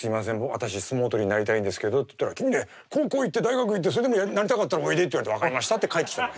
私相撲取りになりたいんですけどって言ったら君ね高校行って大学行ってそれでもなりたかったらおいでって言われて分かりましたって帰ってきたの。